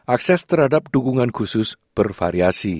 akses terhadap dukungan khusus bervariasi